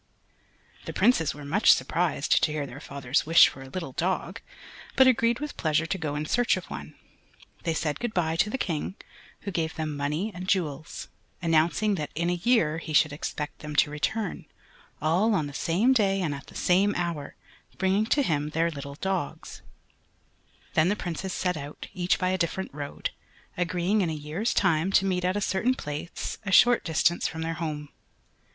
The Princes were much surprised to hear their father's wish for a little dog, but agreed with pleasure to go in search of one. They said goodbye to the King, who gave them money and jewels, announcing that in a year he should expect them to return, all on the same day and at the same hour, bringing to him their little dogs. [Illustration: "ON A CERTAIN NIGHT, DURING A STORM OF THUNDER AND RAIN, HE LOST HIS WAY."] Then the Princes set out, each by a different road, agreeing in a year's time to meet at a certain place a short distance from their home.